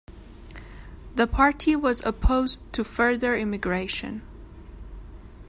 The party was opposed to further immigration.